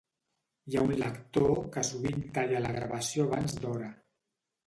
Hi ha un lector que sovint talla la gravació abans d'hora